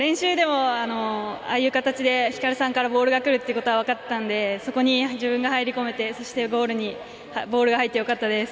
練習でも、ああいう形で光さんからボールが来ることが分かっていたのでそこに自分が入り込めてボールが入って良かったです。